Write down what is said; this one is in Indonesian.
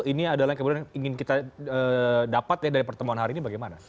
ini adalah yang kemudian ingin kita dapat ya dari pertemuan hari ini bagaimana